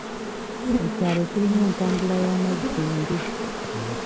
Ekyalo kirina entambula y'amazzi embi.